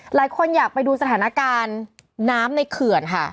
หลายคนอยากไปดูสถานการณ์น้ำในเขื่อนค่ะ